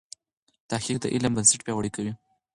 تحقیق د علم بنسټ پیاوړی کوي.